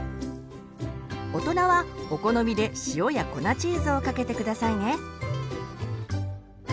大人はお好みで塩や粉チーズをかけて下さいね。